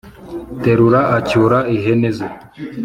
terura acyura ihene ze,